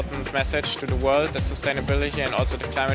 dan kami juga bisa mencoba menggunakan mobil yang lebih cepat